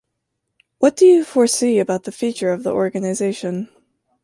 What do you foresee about the feature of the organization?